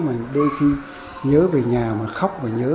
mà đôi khi nhớ về nhà mà khóc và nhớ